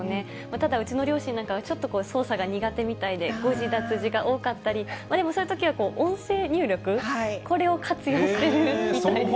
ただ、うちの両親なんかは、ちょっとこう、操作が苦手みたいで、誤字、脱字が多かったり、でもそういうときは、音声入力、これを活用してるみたいです。